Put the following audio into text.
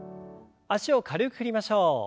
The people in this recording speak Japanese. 脚を軽く振りましょう。